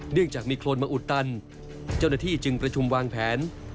จากมีโครนมาอุดตันเจ้าหน้าที่จึงประชุมวางแผน